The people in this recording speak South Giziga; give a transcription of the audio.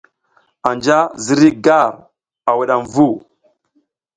Anja ziriy gar a wudam vu.